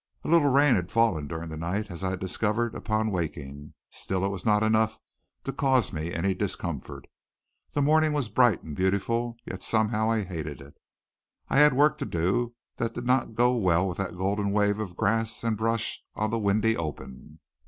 A little rain had fallen during the night, as I discovered upon waking; still it was not enough to cause me any discomfort. The morning was bright and beautiful, yet somehow I hated it. I had work to do that did not go well with that golden wave of grass and brush on the windy open.